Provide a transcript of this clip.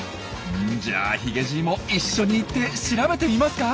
じゃあヒゲじいも一緒に行って調べてみますか？